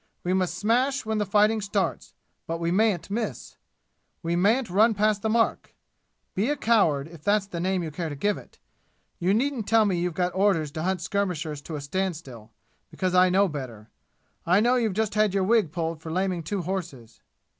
We must smash when the fighting starts but we mayn't miss! We mayn't run past the mark! Be a coward, if that's the name you care to give it. You needn't tell me you've got orders to hunt skirmishers to a standstill, because I know better. I know you've just had your wig pulled for laming two horses!"